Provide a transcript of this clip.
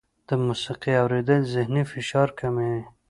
د موسیقۍ اورېدل ذهني فشار کموي.